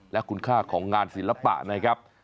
และคุณค่าของงานศิลปะนะครับ